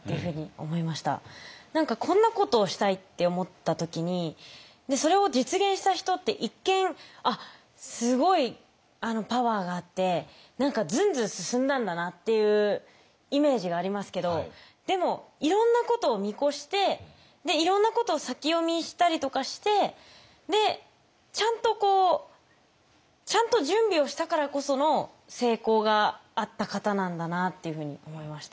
何かこんなことをしたいって思った時にそれを実現した人って一見すごいパワーがあって何かずんずん進んだんだなっていうイメージがありますけどでもいろんなことを見越していろんなことを先読みしたりとかしてちゃんと準備をしたからこその成功があった方なんだなっていうふうに思いました。